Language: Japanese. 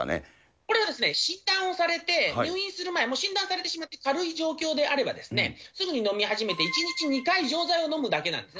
これは、診断をされて、入院する前、もう診断されてしまって軽い状況であれば、すぐに飲み始めて、１日２回錠剤を飲むだけなんですね。